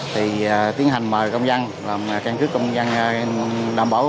thì tiến hành mời công dân làm căn cứ công dân đảm bảo